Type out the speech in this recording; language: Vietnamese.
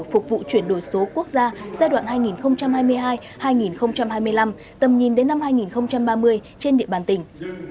phục vụ chuyển đổi số quốc gia giai đoạn hai nghìn hai mươi hai hai nghìn hai mươi năm tầm nhìn đến năm hai nghìn ba mươi trên địa bàn tỉnh